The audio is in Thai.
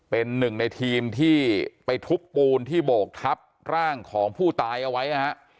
เป็นหนึ่งในทีมที่ไปทุบปูนที่โบกทับร่างของผู้ตายเอาไว้นะฮะ